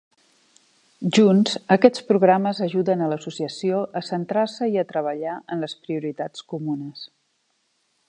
Junts, aquests programes ajuden a l'associació a centrar-se i a treballar en les prioritats comunes.